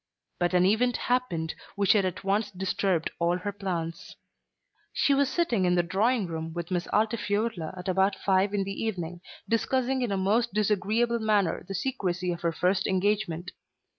But an event happened which had at once disturbed all her plans. She was sitting in the drawing room with Miss Altifiorla at about five in the evening, discussing in a most disagreeable manner the secrecy of her first engagement.